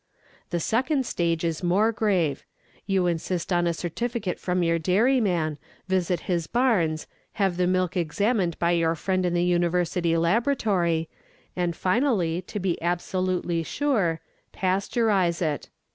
The second stage is more grave. You insist on a certificate from your dairyman, visit his barns, have the milk examined by your friend in the university laboratory, and finally, to be absolutely sure, pasteurize it.